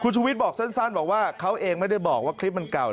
ชุวิตบอกสั้นบอกว่าเขาเองไม่ได้บอกว่าคลิปมันเก่า